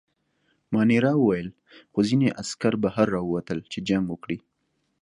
مانیرا وویل: خو ځینې عسکر بهر راووتل، چې جنګ وکړي.